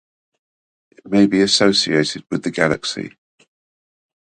It may be associated with the galaxy.